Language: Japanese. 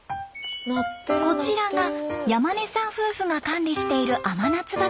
こちらが山根さん夫婦が管理している甘夏畑。